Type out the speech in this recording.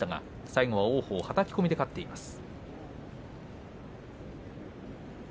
最後、王鵬はたき込みで勝っています。